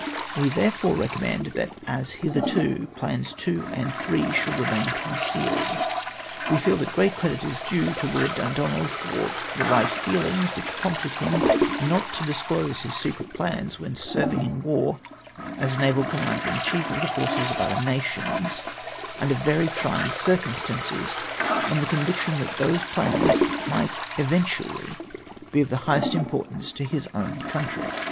"We therefore recommend that, as hitherto, plans Nos. 2 and 3 sJioald remain concealed. We feel that great credit is due to Lord Dmidonald for the right feelings luhich prompted him not to disclose his secret plans when serving in ivar as naval Commccnder in Chlef of the forces of other nations, under very trying circumstances, in the conviction that those plans might eventually be of the highest importance to his oivn country.